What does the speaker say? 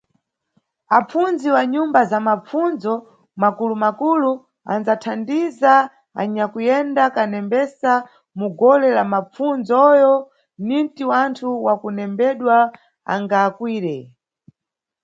Apfundzi wa nyumba za mapfundzo makulumakulu anʼdzathandiza anyakuyenda kanembesa mu gole la mapfundzoyo, ninti wanthu wa kunembedwa angakwire.